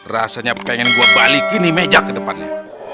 rasanya pengen gue balik gini meja ke depannya